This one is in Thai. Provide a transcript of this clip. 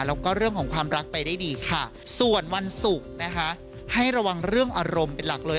แล้วก็เรื่องของความรักไปได้ดีค่ะส่วนวันศุกร์นะคะให้ระวังเรื่องอารมณ์เป็นหลักเลย